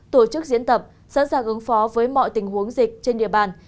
tổ chức diễn tập sẵn sàng ứng phó với mọi tình huống dịch trên địa bàn